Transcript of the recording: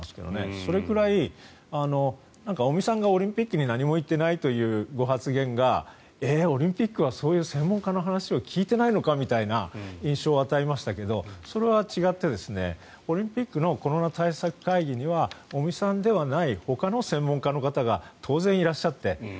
それくらい尾身さんがオリンピックに何も言っていないというご発言がええ、オリンピックはそういう専門家の話を聞いていないのかみたいな印象を与えましたけどそれは違って、オリンピックのコロナ対策会議には尾身さんではないほかの専門家の方が当然いらっしゃって。